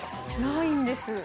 ないんです。